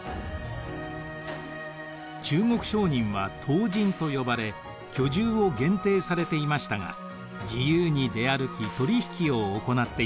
中国商人は唐人と呼ばれ居住を限定されていましたが自由に出歩き取り引きを行っていました。